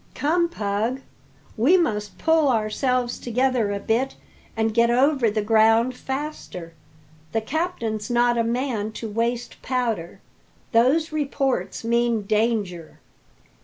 Come, Pug, we must pull ourselves together a bit and get over the ground faster. The captain's not a man to waste powder; those reports mean danger."